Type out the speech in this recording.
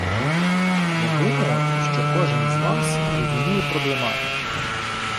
Я думаю, що кожен з вас розуміє проблематику.